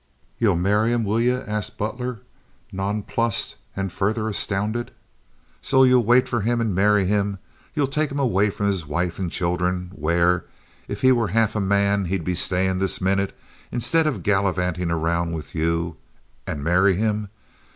"Ye'll marry him, will you?" asked Butler, nonplussed and further astounded. "So ye'll wait for him and marry him? Ye'll take him away from his wife and children, where, if he were half a man, he'd be stayin' this minute instead of gallivantin' around with you. And marry him?